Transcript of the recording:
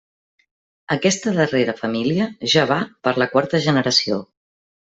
Aquesta darrera família ja va per la quarta generació.